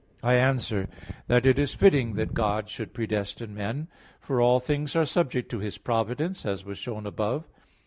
I answer that, It is fitting that God should predestine men. For all things are subject to His providence, as was shown above (Q.